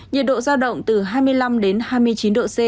nhiệt độ giao động từ hai mươi năm đến hai mươi chín độ c